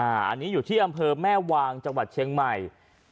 อันนี้อยู่ที่อำเภอแม่วางจังหวัดเชียงใหม่